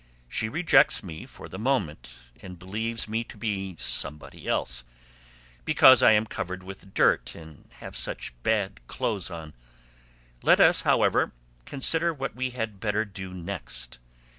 She rejects me for the moment and believes me to be somebody else, because I am covered with dirt and have such bad clothes on; let us, however, consider what we had better do next.